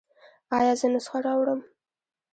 ایا زه نسخه راوړم؟